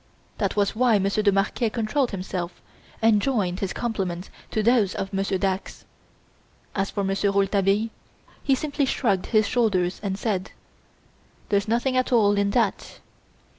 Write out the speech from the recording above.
That was why Monsieur de Marquet controlled himself and joined his compliments with those of Monsieur Dax. As for Monsieur Rouletabille, he simply shrugged his shoulders and said: "There's nothing at all in that!"